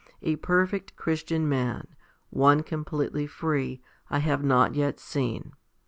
A perfect Christian man, one completely free, I have not yet seen.